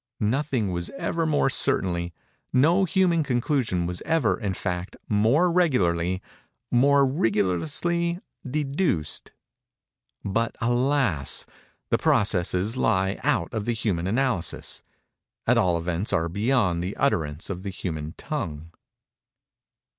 Nothing was ever more certainly—no human conclusion was ever, in fact, more regularly—more rigorously _de_duced:—but, alas! the processes lie out of the human analysis—at all events are beyond the utterance of the human tongue.